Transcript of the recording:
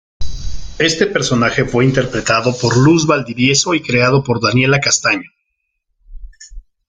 Este personaje fue interpretado por Luz Valdivieso y creado por Daniella Castagno.